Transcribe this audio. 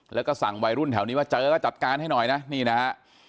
แล้วก็สั่งวัยรุ่นแถวนี้ว่าเจอก็จัดการให้หน่อยนะนี่นะฮะ